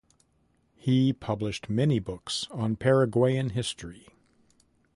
He published many books on Paraguayan history.